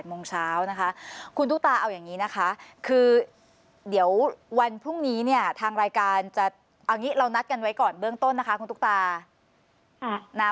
โมงเช้านะคะคุณตุ๊กตาเอาอย่างนี้นะคะคือเดี๋ยววันพรุ่งนี้เนี่ยทางรายการจะเอาอย่างนี้เรานัดกันไว้ก่อนเบื้องต้นนะคะคุณตุ๊กตานะ